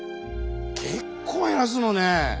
結構減らすのね！